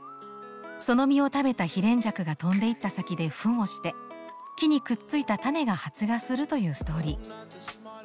その実を食べたヒレンジャクが飛んでいった先でフンをして木にくっついた種が発芽するというストーリー。